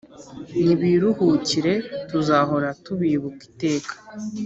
nibiruhukire! tuzahora tubibuka iteka